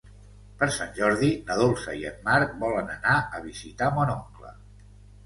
Per Sant Jordi na Dolça i en Marc volen anar a visitar mon oncle.